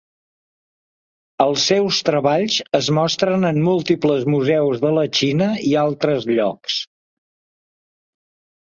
Els seus treballs es mostren en múltiples museus de la Xina i altres llocs.